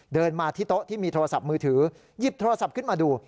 เดินมาที่โต๊ะที่มีโทรศัพท์มือถือหยิบโทรศัพท์ขึ้นมาดู